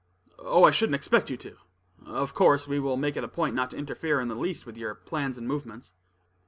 "Oh, I shouldn't expect you to. Of course, we will make it a point not to interfere in the least with your plans and movements."